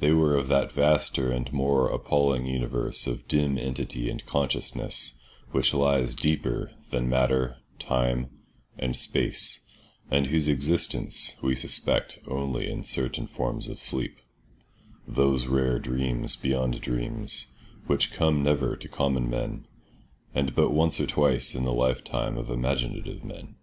They were of that vaster and more appalling universe of dim entity and consciousness which lies deeper than matter, time, and space, and whose existence we suspect only in certain forms of sleep—those rare dreams beyond dreams which come never to common men, and but once or twice in the lifetime of imaginative men.